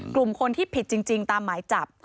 กลุ่มคนที่ผิดจริงตามหมายจับ